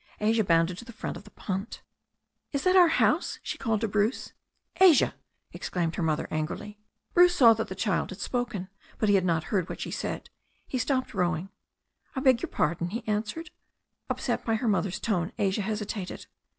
Asia bounded to the front of the punt "Is that our house?" she called to Bruce. "Asia !" exclaimed her mother angrily. Bruce saw that the child had spoken, but he had not heard what she said. He stopped rowing. "I beg your pardon," he answered. Upset by her mother's tone, Asia hesitated.